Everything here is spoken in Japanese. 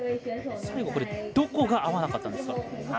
最後、どこが合わなかったんですか。